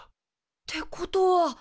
ってことは。